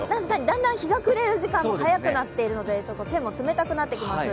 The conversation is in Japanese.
だんだん日が暮れる時間も早くなっているので手も冷たくなってきます。